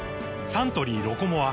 サントリー「ロコモア」